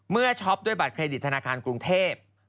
ช็อปด้วยบัตรเครดิตธนาคารกรุงเทพ